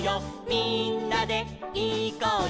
みんなでいこうよ」